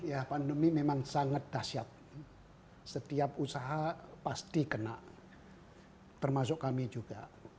ya pandemi memang sangat dahsyat setiap usaha pasti kena termasuk kami juga